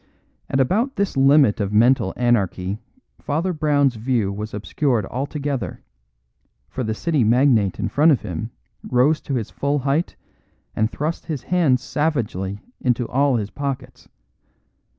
At about this limit of mental anarchy Father Brown's view was obscured altogether; for the City magnate in front of him rose to his full height and thrust his hands savagely into all his pockets.